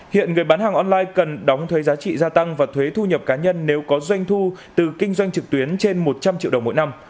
hiện người bán hàng online cần đóng thuế giá trị gia tăng và thuế thu nhập cá nhân nếu có doanh thu từ kinh doanh trực tuyến trên một trăm linh triệu đồng mỗi năm